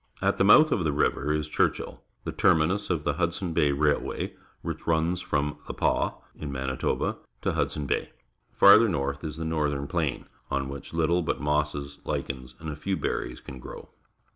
At the mouth of the river is Churchill, the termin us of the H udson Bay Pni'hnny^ which runs from Th e Pas^^in Ma nitoba, to H udso n Bay. Farther North is the Northern Plain, on which little but mosses, lichens, and a few berries can grow.